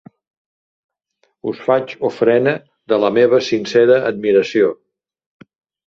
Us faig ofrena de la meva sincera admiració.